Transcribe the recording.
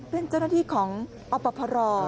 เป็นเจ้าหน้าที่ของอพร